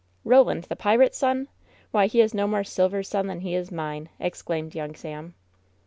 "Roland the pirate's sonl Why, he is no more Sil ver's son than he is mi^e 1" exclaimed young Sam.